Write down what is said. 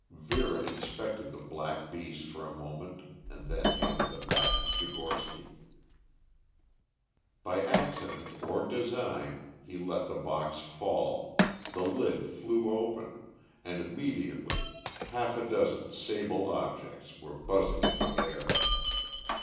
Vera inspected the black bees for a moment and then handed them back to Tchigorsky. By accident or design he let the box fall, the lid flew open, and immediately half a dozen sable objects were buzzing in the air.